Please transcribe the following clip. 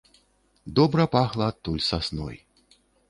Добра пахла адтуль сасной.